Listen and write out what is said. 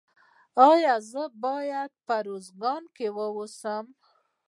ایا زه باید په ارزګان کې اوسم؟